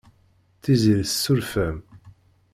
Tiziri tessuref-am.